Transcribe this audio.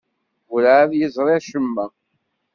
Werɛad yeẓri acemma.